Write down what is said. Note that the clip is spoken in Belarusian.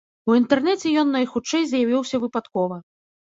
У інтэрнэце ён найхутчэй з'явіўся выпадкова.